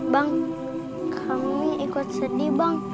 bang kami ikut sedih bang